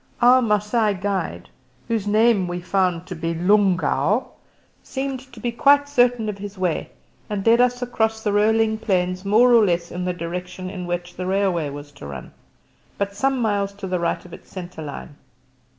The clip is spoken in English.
Our Masai guide, whose name we found to be Lungow, seemed to be quite certain of his way, and led us across the rolling plains more or less in the direction in which the railway was to run, but some miles to the right of its centre line.